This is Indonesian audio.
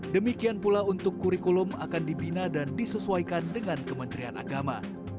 demikian pula untuk kurikulum akan dibina dan disesuaikan dengan kementerian agama